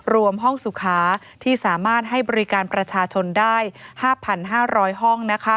รวมห้องสุขาที่สามารถให้บริการประชาชนได้๕๕๐๐ห้อง